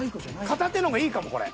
片手のがいいかもこれ。